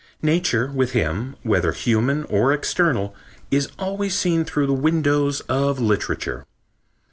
Nature with him, whether human or external, is always seen through the windows of literature....